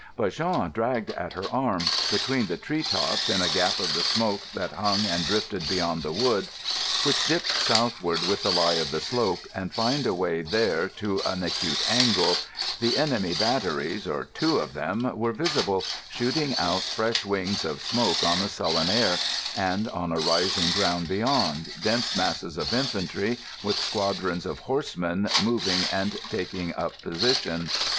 But Jean dragged at her arm. Between the tree tops in a gap of the smoke that hung and drifted beyond the wood—which dipped southward with the lie of the slope and fined away there to an acute angle—the enemy batteries, or two of them, were visible, shooting out fresh wings of smoke on the sullen air, and on a rising ground beyond, dense masses of infantry, with squadrons of horsemen moving and taking up position.